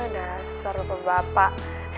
dasar lupa bapak